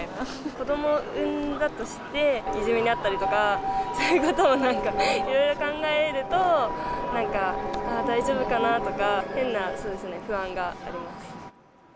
子ども産んだとして、いじめに遭ったりとか、そういうこともなんか、いろいろ考えると、なんか、あー、大丈夫かなとか、変な不安があります。